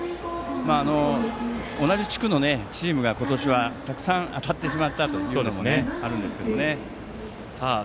同じ地区のチームが今年はたくさん当たってしまったというのがあるんですが気をつけたいですね。